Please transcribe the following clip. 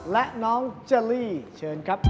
และน้องเจอรี่เชิญครับ